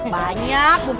banyak bu messi